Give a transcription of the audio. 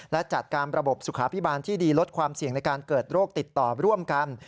และจัดการระบบสุขาพิบาลที่ดีลดความเสี่ยงในการเกิดโรคติดต่อร่วมกัน